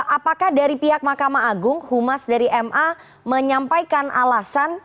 apakah dari pihak mahkamah agung humas dari ma menyampaikan alasan